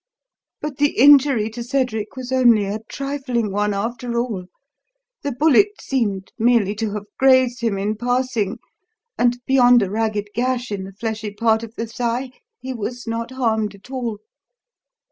But the injury to Cedric was only a trifling one after all. The bullet seemed merely to have grazed him in passing, and, beyond a ragged gash in the fleshy part of the thigh, he was not harmed at all.